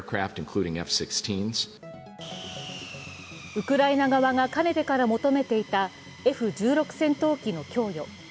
ウクライナ側が、かねてから求めていたＦ１６戦闘機の供与。